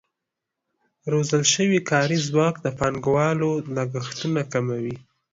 روزل شوی کاري ځواک د پانګوالو لګښتونه کموي.